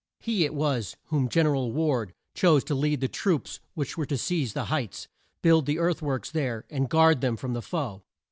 He it was whom Gen er al Ward chose to lead the troops which were to seize the heights, build the earth works there, and guard them from the foe.